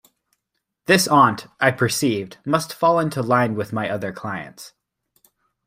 This aunt, I perceived, must fall into line with my other clients.